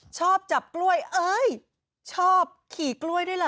ชอบจับกล้วยเอ้ยชอบขี่กล้วยด้วยเหรอ